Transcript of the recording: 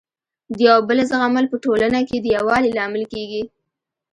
د یو بل زغمل په ټولنه کي د يووالي لامل کيږي.